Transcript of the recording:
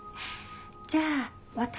じゃあ私